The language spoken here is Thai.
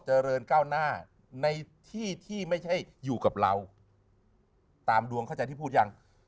เจริญก้าวหน้าในที่ที่ไม่ใช่อยู่กับเราตามดวงเข้าใจที่พูดยัง